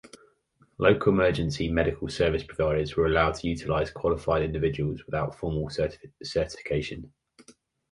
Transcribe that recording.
Local emergency medical service providers were allowed to utilize qualified individuals without formal certification.